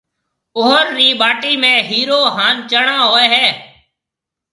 اوھر رِي ٻاٽِي ۾ ھيَََِرو ھان چڻاھوئي ھيََََ